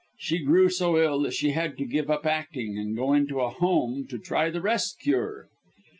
She grew so ill that she had to give up acting, and go into a home to try the rest cure.